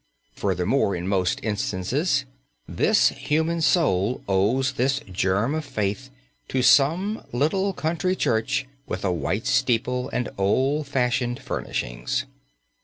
Furthermore in most instances this human soul owes this germ of faith to some little country church with a white steeple and old fashioned furnishings.